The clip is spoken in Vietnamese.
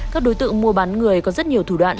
các đối tượng mua bán người có rất nhiều thủ đoạn